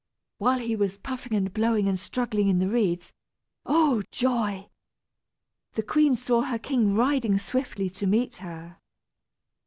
While he was puffing and blowing and struggling in the reeds, oh, joy! the queen saw her king riding swiftly to meet her.